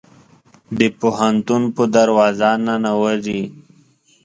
د پوهنتون په دروازه ننوزي